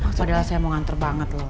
saudara saya mau nganter banget loh